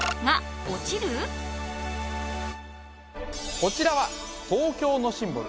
こちらは東京のシンボル